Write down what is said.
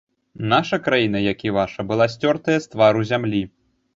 Наша краіна, як і ваша, была сцёртая з твару зямлі.